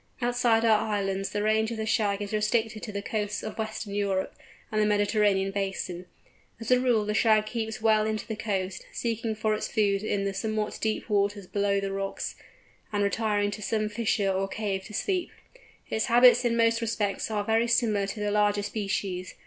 Outside our islands the range of the Shag is restricted to the coasts of western Europe, and the Mediterranean basin. As a rule the Shag keeps well into the coast, seeking for its food in the somewhat deep water below the rocks, and retiring to some fissure or cave to sleep. Its habits in most respects are very similar to the larger species.